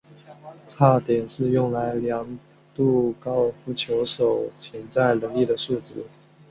差点是用来量度高尔夫球手潜在能力的数值。